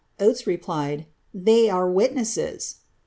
Oates replied, ^ they were witnesses."